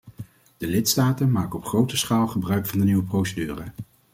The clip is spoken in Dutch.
De lidstaten maken op grote schaal gebruik van de nieuwe procedure.